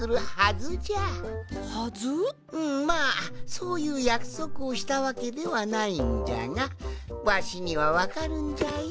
そういうやくそくをしたわけではないんじゃがわしにはわかるんじゃよ